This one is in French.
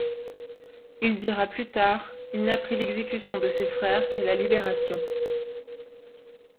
Il dira plus tard Il n'apprit l'exécution de ses frères qu'à la Libération.